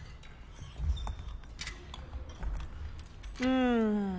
うん。